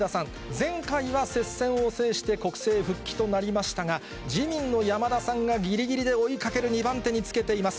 前回は接戦を制して、国政復帰となりましたが、自民の山田さんがぎりぎりで追いかける２番手につけています。